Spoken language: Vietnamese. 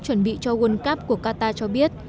chuẩn bị cho world cup của qatar cho biết